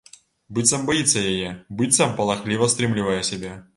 Быццам баіцца яе, быццам палахліва стрымлівае сябе.